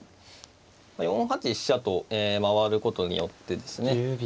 ４八飛車と回ることによってですね